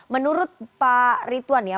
menurut pak ritwan ya